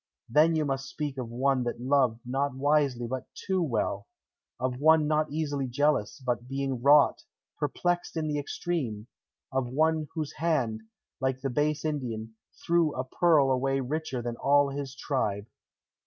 Then you must speak of one that loved not wisely but too well; of one not easily jealous, but being wrought, perplexed in the extreme; of one whose hand, like the base Indian, threw a pearl away richer than all his tribe....